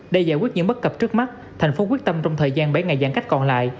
để giải quyết những bất cập trước mắt thành phố quyết tâm trong thời gian bảy ngày giãn cách còn lại